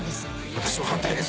私は反対です！